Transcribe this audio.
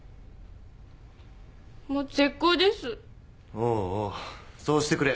おうおうそうしてくれ。